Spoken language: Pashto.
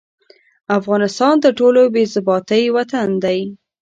افغانستان تر ټولو بې ضابطې وطن دي.